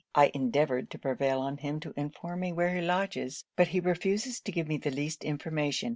I endeavoured to prevail on him to inform me where he lodges; but he refuses to give me the least information.